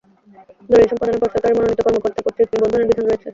দলিল সম্পাদনের পর সরকারের মনোনীত কর্মকর্তা কর্তৃক নিবন্ধনের বিধান রয়েছে।